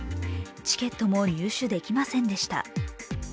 チケットも入手できませんでした。